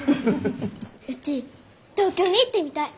うち東京に行ってみたい！